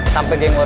sampai dia ngejalan